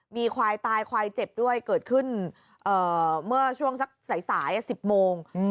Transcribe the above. มีควายตายควายเจ็บด้วยเกิดขึ้นเมื่อช่วงสักสาย๑๐โมง